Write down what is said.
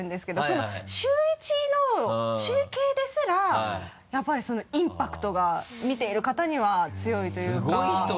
その週１の中継ですらやっぱりインパクトが見ている方には強いというか。